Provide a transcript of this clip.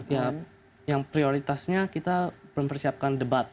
ya yang prioritasnya kita mempersiapkan debat